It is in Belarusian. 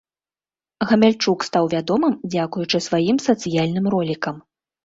Гамяльчук стаў вядомым дзякуючы сваім сацыяльным ролікам.